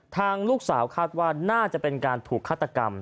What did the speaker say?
ทางลูกสาวคาดว่าน่าจะเป็นการถูกฆาตกรรม